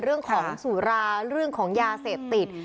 เรื่องของสุราเรื่องของยาเสพติด